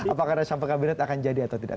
apakah resam pengambilan akan jadi atau tidak